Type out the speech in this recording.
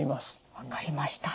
分かりました。